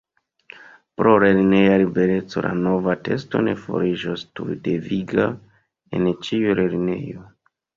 Pro lerneja libereco la nova testo ne fariĝos tuj deviga en ĉiu lernejo.